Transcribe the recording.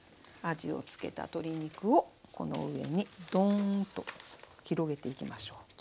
味を付けた鶏肉をこの上にドーンと広げていきましょう。